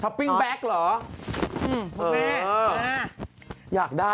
ช้อปปิ้งแบ็กเหรอ